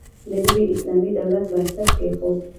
د نوي اسلامي دولت بنسټ کېښود.